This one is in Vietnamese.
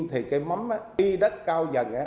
và thay thế bằng loại cây khác